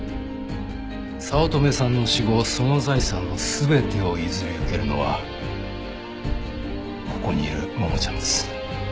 早乙女さんの死後その財産の全てを譲り受けるのはここにいるももちゃんです。